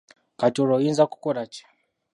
Kati olwo oyinza kukola ki?